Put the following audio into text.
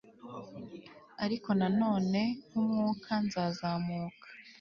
Ariko nanone nkumwuka nzazamuka